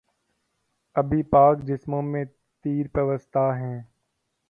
ابھی پاک جسموں میں تیر پیوستہ ہیں